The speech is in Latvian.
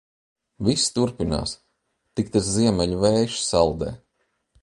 Viss turpinās. Tik tas ziemeļu vējš saldē.